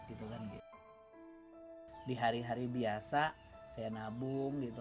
di hari hari biasa saya nabung gitu